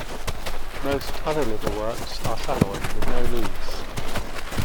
Most other liverworts are thalloid, with no leaves.